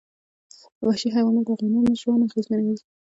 وحشي حیوانات د افغانانو ژوند اغېزمن کوي.